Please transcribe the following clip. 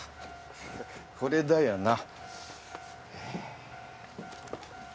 これだよな。